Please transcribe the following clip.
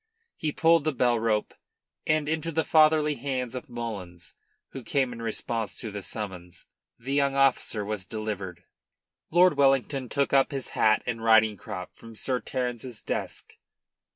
He pulled the bell rope, and into the fatherly hands of Mullins, who came in response to the summons, the young officer was delivered. Lord Wellington took up his hat and riding crop from Sir Terence's desk.